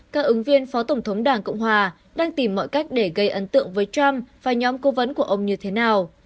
các ứng viên phó tổng thống đảng cộng hòa đang tìm mọi cách để gây ấn tượng với trump và nhóm cố vấn của ông như thế nào